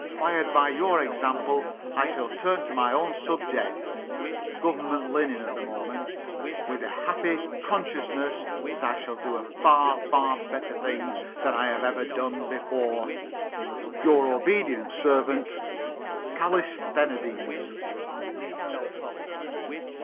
Fired by your example I shall turn to my own subject (Government linen at the moment) with a happy consciousness that I shall do a far, far better thing than I have ever done before. "Your obedient servant, "CALLISTHENIDES."